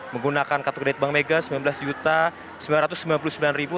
menggunakan kartu kredit bank mega sembilan belas juta sembilan ratus sembilan puluh sembilan ribu